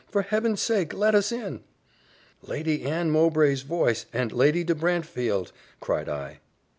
For Heaven's sake let us in!" "Lady Anne Mowbray's voice! and Lady de Brantefield!" cried I.